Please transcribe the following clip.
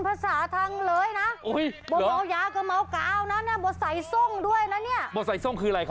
ไปใส่ส่วงทำไมอีกพอ